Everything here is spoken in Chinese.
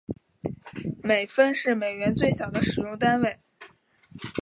美分是美元最小的使用单位。